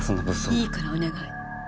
いいからお願い。